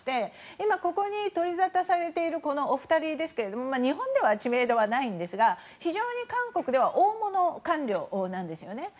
今ここに取りざたされているこのお二人ですが日本では知名度はないんですが非常に韓国では大物官僚なんですよね。